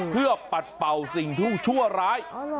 เพื่อปัดเป่าสิ่งชั่วร้าย